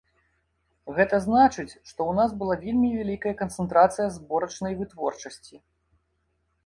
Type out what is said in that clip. Гэта значыць, што ў нас была вельмі вялікая канцэнтрацыя зборачнай вытворчасці.